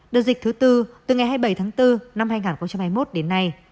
đợt dịch thứ tư từ ngày hai mươi bảy tháng bốn năm hai nghìn hai mươi một đến nay